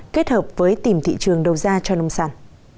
kết hợp với tìm thị trường đầu ra cho nông sản